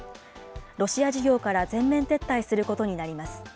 ロシア事業から全面撤退することになります。